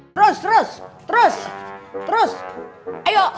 terus terus terus terus ayo